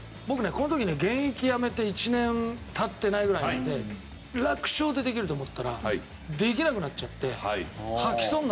この時ね現役やめて１年経ってないぐらいなので楽勝でできると思ったらできなくなっちゃって吐きそうになったんです。